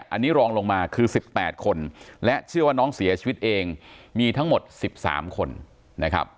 อันนี้รองลงมาคือ๑๘คนและเชื่อว่าน้องเสียชีวิตเองมีทั้งหมด๑๓คนนะครับ